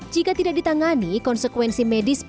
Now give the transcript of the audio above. jika tidak ditangani konsekuensi medis